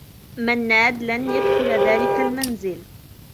منّاد لن يدخل ذلك المنزل.